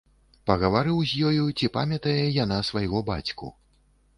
Пагаварыў з ёю, ці памятае яна свайго бацьку.